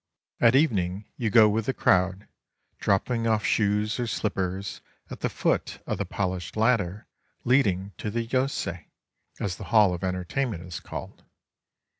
At evening you go with the crowd, dropping oflf shoes or slippers at the foot of the polished ladder leading to the yose, as the hall of entertainment is called.